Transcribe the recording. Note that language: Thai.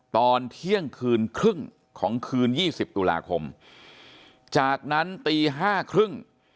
ตอนเที่ยงคืนครึ่งของคืนยี่สิบตุลาคมจากนั้นตีห้าครึ่ง